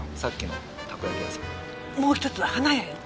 もう１つは花屋よ。